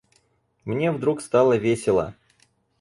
Мне вдруг стало весело!